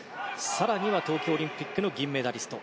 更には東京オリンピックの銀メダリスト